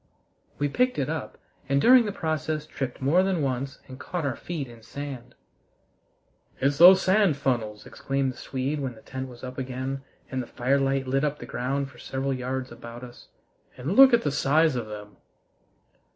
We picked it up, and during the process tripped more than once and caught our feet in sand. "It's those sand funnels," exclaimed the Swede, when the tent was up again and the firelight lit up the ground for several yards about us. "And look at the size of them!"